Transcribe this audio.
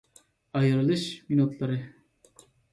ئايرىلىش مىنۇتلىرى